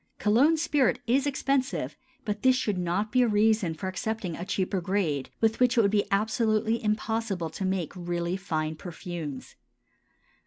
Cologne spirit is expensive, but this should not be a reason for accepting a cheaper grade, with which it would be absolutely impossible to make really fine perfumes.